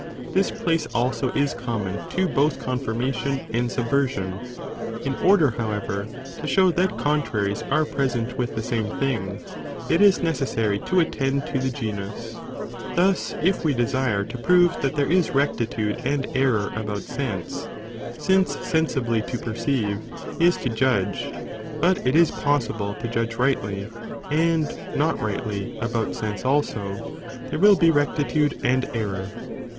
This place also is common to both confirmation and subversion. 2nd, To prove In order however to show that contraries are pee oh pea oe present with the same thing, it is necessary to nusmustbe attend to the genus; thus if we desire to prove reperded: that there is rectitude and error about sense, since sensibly to perceive, is to judge, but it is possible to judge rightly and not rightly, about sense also, there will be — rectitude and error.